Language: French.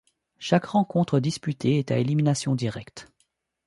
Chaque rencontre disputée est à élimination directe.